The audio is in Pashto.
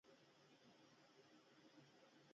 د میرمنو کار د کورنۍ خوارۍ مخه نیسي.